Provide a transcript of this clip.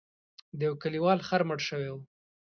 د یو کلیوال خر مړ شوی و.